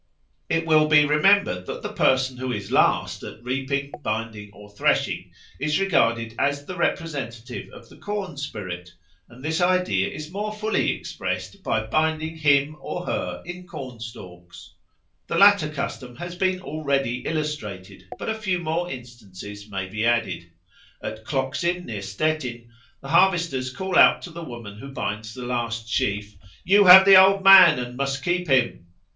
It will be remembered that the person who is last at reaping, binding, or threshing, is regarded as the representative of the corn spirit, and this idea is more fully expressed by binding him or her in corn stalks. The latter custom has been already illustrated, but a few more instances may be added. At Kloxin, near Stettin, the harvesters call out to the woman who binds the last sheaf, "You have the Old Man, and must keep him."